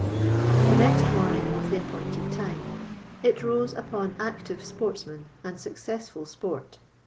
The next morning was the appointed time. It rose upon active sportsmen and successful sport.